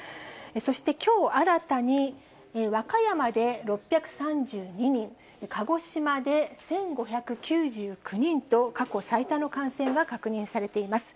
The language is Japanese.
そして、きょう新たに和歌山で６３２人、鹿児島で１５９９人と過去最多の感染が確認されています。